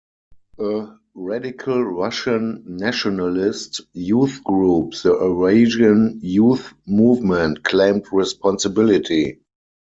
A radical Russian nationalist youth group, the Eurasian Youth Movement, claimed responsibility.